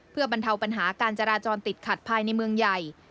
เพื่อบรรเทาปัญหาการจราจรติดขัดภายในเมืองใหญ่